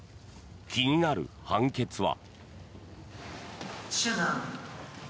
気になる判決は？